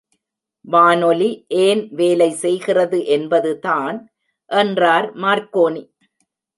வானொலி ஏன் வேலை செய்கிறது என்பது தான்! என்றார் மார்க்கோனி.